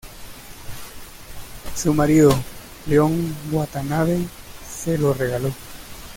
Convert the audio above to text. Su marido, Leon Watanabe, se lo regaló.